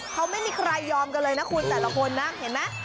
เขาไม่มีใครยอมกันเลยนะคุณแต่ละคนนะเห็นไหม